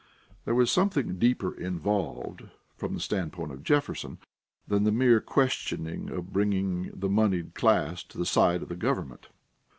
There was something deeper involved, from the standpoint of Jefferson, than the mere question of bringing the moneyed class to the side of the government.